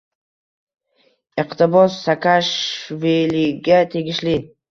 Iqtibos Saakashviliga tegishli